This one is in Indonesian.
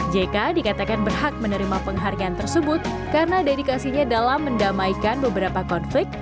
jk dikatakan berhak menerima penghargaan tersebut karena dedikasinya dalam mendamaikan beberapa konflik